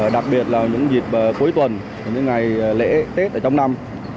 đặc biệt là những dịp cuối tuần những ngày lễ tết ở trong năm